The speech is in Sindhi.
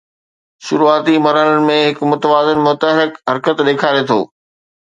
شروعاتي مرحلن ۾ هڪ متوازن متحرڪ حرڪت ڏيکاري ٿو